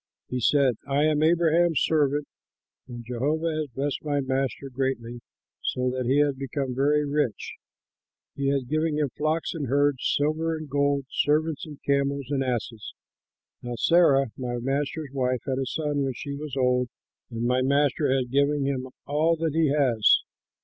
He said, "I am Abraham's servant; and Jehovah has blessed my master greatly, so that he has become very rich. He has given him flocks and herds, silver and gold, servants, and camels and asses. Now Sarah, my master's wife, had a son when she was old, and my master has given him all that he has.